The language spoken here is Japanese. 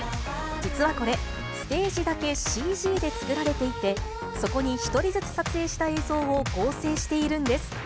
実はこれ、ステージだけＣＧで作られていて、そこに１人ずつ撮影した映像を合成しているんです。